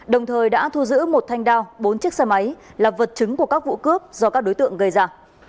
đồng thời đã thu giữ một thanh đao bốn chiếc xe máy là vật chứng của các vụ cướp do các đối tượng gây ra